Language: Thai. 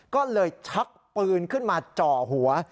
ก็เลยชักปืนขึ้นมาจ่อหัว